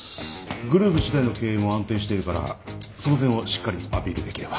グループ自体の経営も安定してるからその点をしっかりアピールできれば。